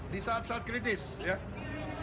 di saat saat kritis ya